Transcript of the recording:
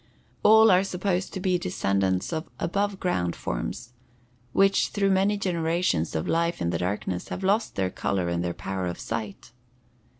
All are supposed to be descendants of above ground forms, which through many generations of life in the darkness have lost their color and their power of sight.